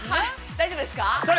◆大丈夫ですか。